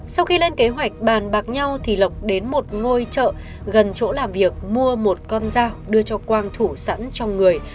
sau khi lên kế hoạch bàn bạc nhau thì lộc đến một ngôi chợ gần chỗ làm việc mua một con dao đưa cho quang thủ sẵn trong người